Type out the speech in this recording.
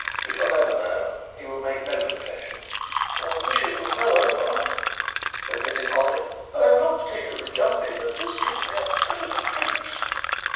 We shall never know; he will make no confession." "I wish it was well over," admitted Hollyer, "I'm not particularly jumpy, but this gives me a touch of the creeps."